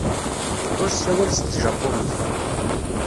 Ur ssawal s tjapunit.